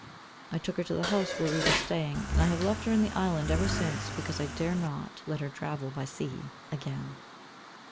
I took her to the house where we were staying, and I have left her in the island ever since, because I dare not let her travel by sea again."